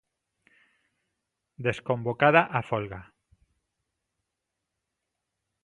Desconvocada a folga.